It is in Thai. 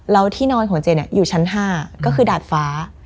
แล้วที่นอนของเจเนี่ยอยู่ชั้น๕ก็คือดาดฟ้า